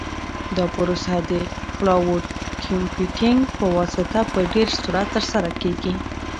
دا پروسه د کلاوډ کمپیوټینګ په واسطه په ډېر سرعت ترسره کیږي.